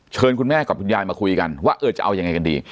คุณแม่กับคุณยายมาคุยกันว่าเออจะเอายังไงกันดี